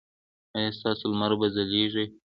ایا ستاسو لمر به ځلیږي؟